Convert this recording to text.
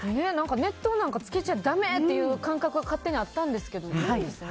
熱湯なんかつけちゃだめって感覚が勝手にあったんですけど。